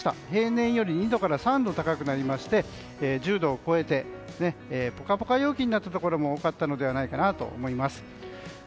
平年より２度から３度高くなりまして１０度を超えてポカポカ陽気になったところも多かったのではないかと思います。